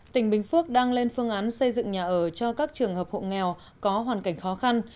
tỉnh bình phước đang lên phương án xây dựng nhà ở cho các trường hợp hộ nghèo có hoàn cảnh khó khăn